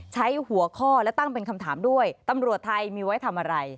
ใช้หัวข้อและตั้งเป็นคำถามด้วยตำรวจไทยมีไว้ทำอะไร